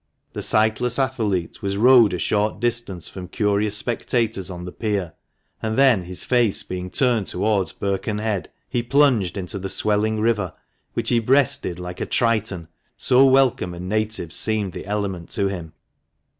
The sightless athlete was rowed a short distance from curious spectators on the pier, and then, his face being turned towards Birkenhead, he plunged into the swelling river, which he breasted like a Triton, so welcome and native seemed the element to him.